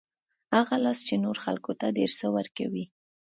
هغه لاس چې نورو خلکو ته ډېر څه ورکوي.